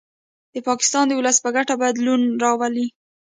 د پاکستان د ولس په ګټه بدلون راولي